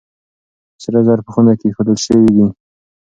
سره زر په خونه کې ايښودل شوي دي.